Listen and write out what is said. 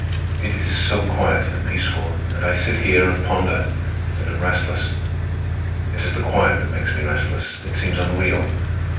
It is so quiet and peaceful, and I sit here, and ponder, and am restless. It is the quiet that makes me restless. It seems unreal.